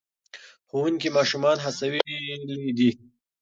ښوونکي ماشومان هڅولي دي.